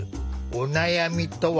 お悩みとは？